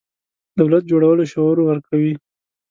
دولت جوړولو شعور ورکوي.